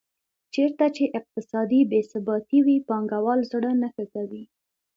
چېرته چې اقتصادي بې ثباتي وي پانګوال زړه نه ښه کوي.